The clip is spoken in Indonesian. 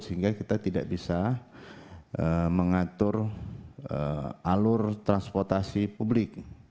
sehingga kita tidak bisa mengatur alur transportasi publik